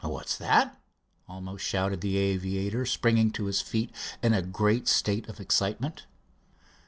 "What's that?" almost shouted the aviator, springing to his feet, in a great state of excitement.